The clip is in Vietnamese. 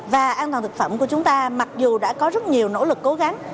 và an toàn thực phẩm của chúng ta mặc dù đã có rất nhiều nỗ lực cố gắng